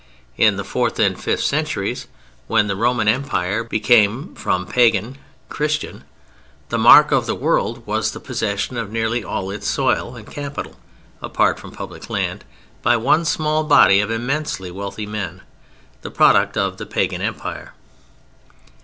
In the fourth and fifth centuries when the Roman Empire became from Pagan, Christian, the mark of the world was the possession of nearly all its soil and capital (apart from public land) by one small body of immensely wealthy men: the product of the pagan Empire.